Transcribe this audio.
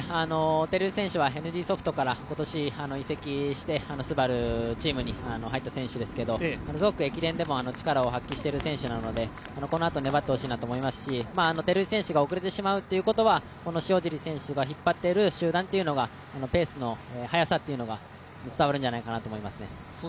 照井選手はＮＤソフトから今年移籍して、ＳＵＢＡＲＵチームに入った選手ですけど、すごく駅伝でも力を発揮している選手なのでこのあと粘ってほしいなと思いますし照井選手が遅れてしまうということは塩尻選手が引っ張っている集団はペースの速さというのが伝わるんじゃないかなと思いますね。